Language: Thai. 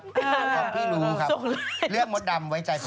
ขอบพี่รู้ครับเรื่องมดดำไว้ใจผมครับ